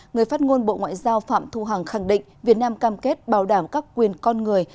người phát ngôn bộ ngoại giao phạm thu hằng khẳng định việt nam cam kết bảo đảm các quyền con người